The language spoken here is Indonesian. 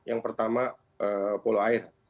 yang pertama polo air